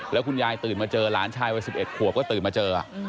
แล้วคุณยายตื่นมาเจอหลานชายวัย๑๑ขวบก็ตื่นมาเจอ